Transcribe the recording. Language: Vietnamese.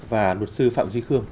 và luật sư phạm duy khương